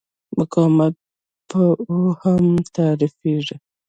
مقاومت په اوهم تعریفېږي.